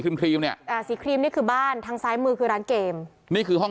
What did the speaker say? ครีมเนี่ยอ่าสีครีมนี่คือบ้านทางซ้ายมือคือร้านเกมนี่คือห้อง